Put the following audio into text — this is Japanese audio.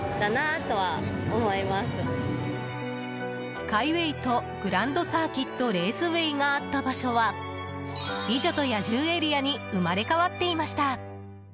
スカイウェイとグランドサーキット・レースウェイがあった場所は美女と野獣エリアに生まれ変わっていました。